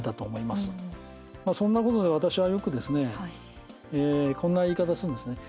まあ、そんなことで私はよくですねこんな言い方するんですね